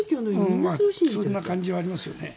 そんな感じありますよね。